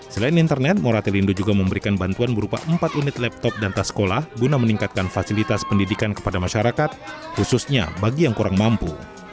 selain internet moratelindo juga memberikan bantuan berupa empat unit laptop dan tas sekolah guna meningkatkan fasilitas pendidikan kepada masyarakat khususnya bagi yang kurang mampu